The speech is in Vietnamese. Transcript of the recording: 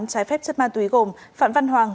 trái phép chất ma túy gồm phạm văn hoàng